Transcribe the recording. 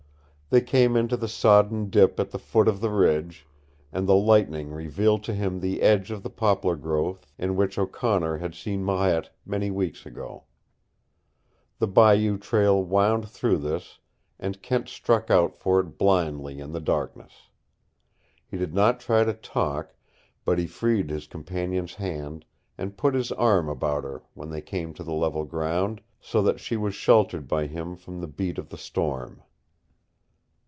They came into the sodden dip at the foot of the ridge, and the lightning revealed to him the edge of the poplar growth in which O'Connor had seen Marette many weeks ago. The bayou trail wound through this, and Kent struck out for it blindly in the darkness. He did not try to talk, but he freed his companion's hand and put his arm about her when they came to the level ground, so that she was sheltered by him from the beat of the storm.